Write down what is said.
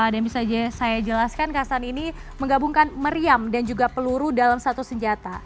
bisa saya jelaskan kasan ini menggabungkan meriam dan juga peluru dalam satu senjata